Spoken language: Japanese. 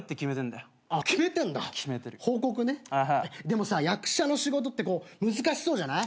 でも役者の仕事ってこう難しそうじゃない？